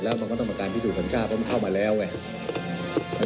รายงานคนไทยก็หายาก